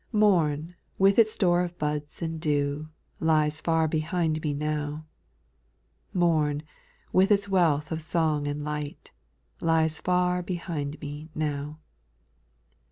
2. Morn, with its store of buds and dew. Lies far behind me now ; Morn, with its wealth of song and light, Lies far behind me now.